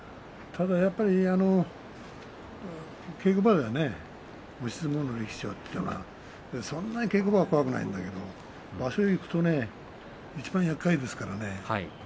ただやっぱり稽古場では押し相撲の力士はそんなに稽古は怖くないんだけど場所に行くといちばんやっかいですからね。